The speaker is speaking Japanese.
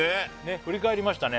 振り返りましたね